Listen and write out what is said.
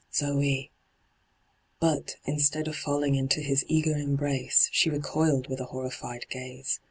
' Zoe 1' But, instead of falling into his eager em brace, she recoiled with a horrified gaze.